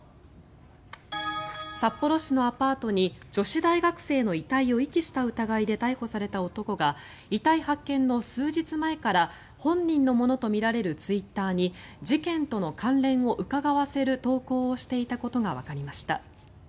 札幌市のアパートに女子大学生の遺体を遺棄した疑いで逮捕された男が遺体発見の数日前から本人のものとみられるツイッターに事件との関連をうかがわせる投稿をしていたことがわかりました。